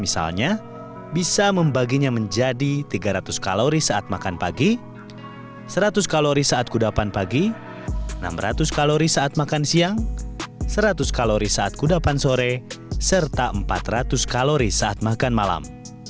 misalnya bisa membaginya menjadi tiga ratus kalori saat makan pagi seratus kalori saat kudapan pagi enam ratus kalori saat makan siang seratus kalori saat kudapan sore serta empat ratus kalori saat makan malam